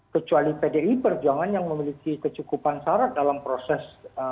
kecuali pdi perjuangan yang memiliki kecukupan syarat dalam proses